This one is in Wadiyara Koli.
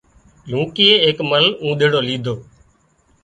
لونڪيئي ايڪ مرل اونۮيڙو ليڌو